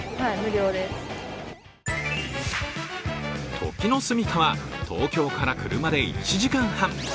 時之栖は東京から車で１時間半。